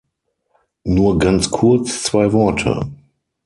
Nur ganz kurz zwei Worte.